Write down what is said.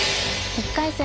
１回戦